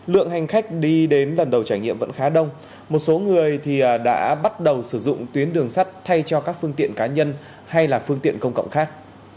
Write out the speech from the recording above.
lượng hành khách đi đến lần đầu trải nghiệm vẫn khá đông một số người đã bắt đầu sử dụng tuyến đường sắt thay cho các phương tiện cá nhân hay là phương tiện công cộng khác